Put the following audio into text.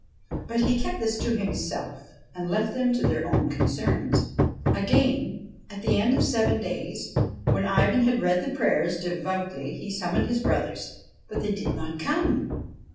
But he kept this to himself, and left them to their own concerns. Again, at the end of seven days, when Ivan had read the prayers 66 IVAN AND THE CHESTNUT HORSE devoutly, he summoned his brothers. But they did not come.